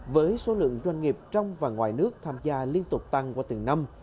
với số lượng doanh nghiệp trong và ngoài nước tham gia liên tục tăng qua từng năm